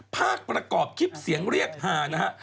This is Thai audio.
ประกอบคลิปเสียงเรียกฮานะฮะ